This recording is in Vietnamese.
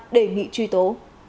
đề nghị truy tố